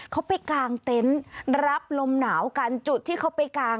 เขาไปกางเต็นต์รับลมหนาวกันจุดที่เขาไปกาง